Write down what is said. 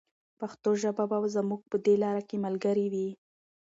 پښتو ژبه به زموږ په دې لاره کې ملګرې وي.